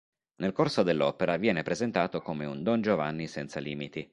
Nel corso dell'opera viene presentato come un dongiovanni senza limiti.